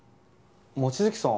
望月さん